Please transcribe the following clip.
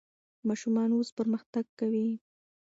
ماشومان اوس پرمختګ کوي.